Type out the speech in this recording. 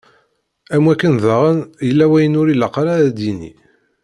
Am wakken daɣen, yella wayen ur ilaq ara ad yini.